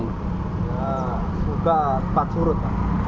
ya sudah tepat surut